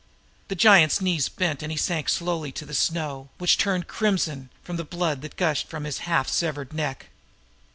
The giant's knees bent and he sank slowly into the snow which turned crimson with the blood that gushed from his half severed neck.